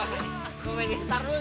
ini mau main gitar dulu